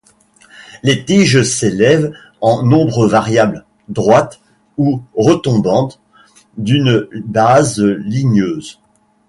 Ces tiges s'élèvent en nombre variable, droites ou retombantes, d'une base ligneuse.